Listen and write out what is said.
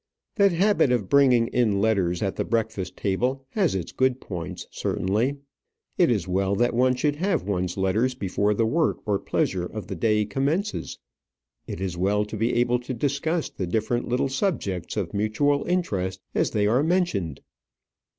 That habit of bringing in letters at the breakfast table has its good points, certainly. It is well that one should have one's letters before the work or pleasure of the day commences: it is well to be able to discuss the different little subjects of mutual interest as they are mentioned.